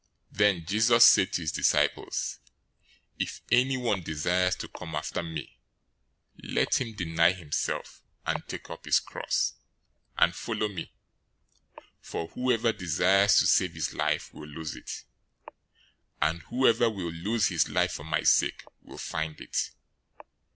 016:024 Then Jesus said to his disciples, "If anyone desires to come after me, let him deny himself, and take up his cross, and follow me. 016:025 For whoever desires to save his life will lose it, and whoever will lose his life for my sake will find it.